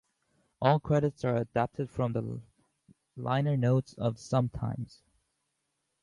All credits are adapted from the liner notes of "Sometimes".